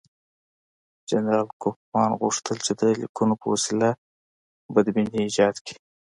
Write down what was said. جنرال کوفمان غوښتل چې د لیکونو په وسیله بدبیني ایجاد کړي.